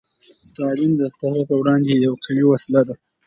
تعلیم د فقر په وړاندې یوه قوي وسله ده.